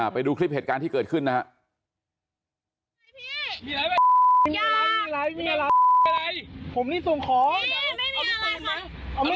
ไปดูคลิปเหตุการณ์ที่เกิดขึ้นนะครับ